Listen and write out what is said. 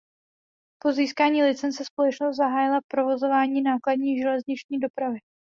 Po získání licence společnost zahájila provozování nákladní železniční dopravy.